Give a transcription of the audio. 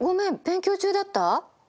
勉強中だった？